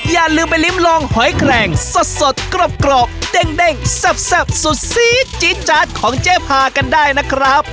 อย่าลืมไปลิ้มลองหอยแคลงสดกรอบเด้งแซ่บสุดซีดจี๊ดจาดของเจ๊พากันได้นะครับ